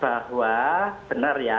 bahwa benar ya